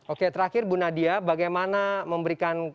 oke terakhir bu nadia bagaimana memberikan